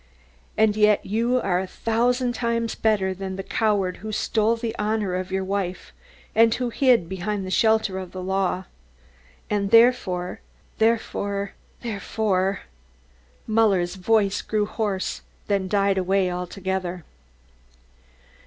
And yet you are a thousand times better than the coward who stole the honour of your wife and who hid behind the shelter of the law and therefore, therefore, therefore " Muller's voice grew hoarse, then died away altogether.